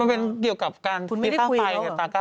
มันเป็นเกี่ยวกับการคุยต้าไปกับตาก้าวฟ้า